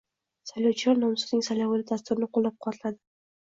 Saylovchilar nomzodning saylovoldi dasturini qo‘llab-quvvatladi